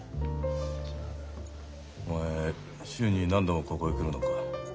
お前週に何度もここへ来るのか。